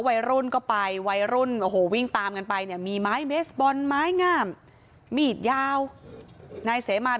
ไวรุ่นก็ไปไวรุ่นวิ่งตามกันไปเนี่ยมีไม้เบสบอนม้ายงามหรือยาวในเสะมา